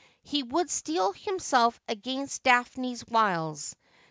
He would steel himself against Daphne's wiles.